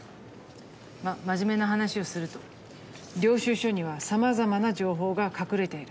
まぁ真面目な話をすると領収書にはさまざまな情報が隠れている。